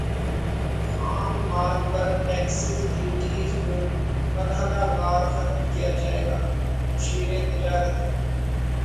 خام مال پر ٹیکسز ڈیوٹیز کو مرحلہ وار ختم کیا جائے گا مشیر تجارت